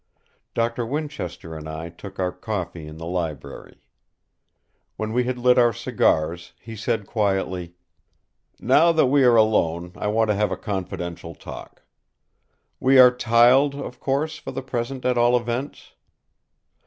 Doctor Winchester and I took our coffee in the library. When we had lit our cigars he said quietly: "Now that we are alone I want to have a confidential talk. We are 'tiled,' of course; for the present at all events?"